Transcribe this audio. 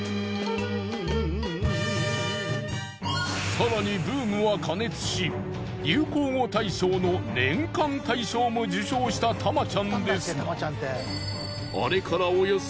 更にブームは過熱し流行語大賞の年間大賞も受賞したタマちゃんですが。